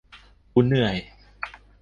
กูเหนื่อย